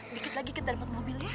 dikit lagi kita dapat mobilnya